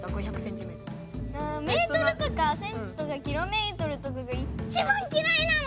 ｍとかｃｍとかｋｍとかがいっちばんきらいなの！